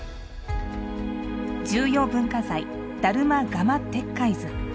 重要文化財「達磨・蝦蟇鉄拐図」。